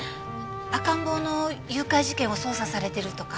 赤ん坊の誘拐事件を捜査されてるとか？